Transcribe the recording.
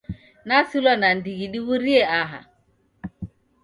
Nasilwa nandighi diw'urie aha.